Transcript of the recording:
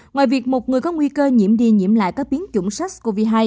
ngoài việc một người có nguy cơ nhiễm đi nhiễm lại các biến chủng sars cov hai